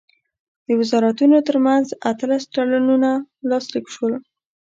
د وزارتونو ترمنځ اتلس تړونونه لاسلیک شول.